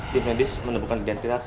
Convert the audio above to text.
tim medis menemukan identitas